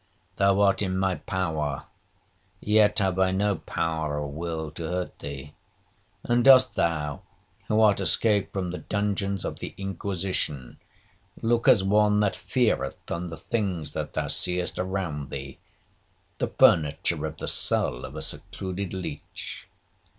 Thou art in my power, yet have I no power or will to hurt thee. And dost thou, who art escaped from the dungeons of the Inquisition, look as one that feareth on the things that thou seest around thee, the furniture of the cell of a secluded leach?